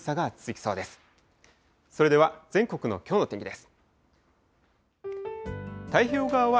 それでは全国のきょうの天気です。